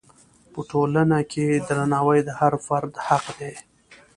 په ټولنه کې درناوی د هر فرد حق دی.